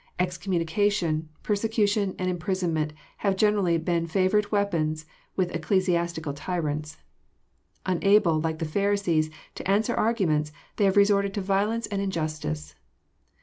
Excommunication, per secution, and imprisonment have generally been favourite weapons with ecclesiastical tyrants. Unable, like the Pharisees, to answer arguments, they have resorted to vio« lence and injustice.